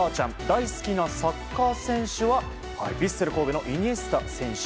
大好きなサッカー選手はヴィッセル神戸のイニエスタ選手。